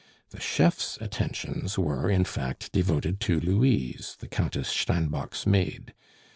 The chef's attentions were, in fact, devoted to Louise, the Countess Steinbock's maid.